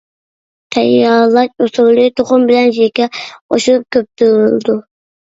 تەييارلاش ئۇسۇلى تۇخۇم بىلەن شېكەر قوشۇلۇپ كۆپتۈرۈلىدۇ.